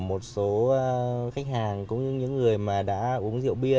một số khách hàng cũng như những người mà đã uống rượu bia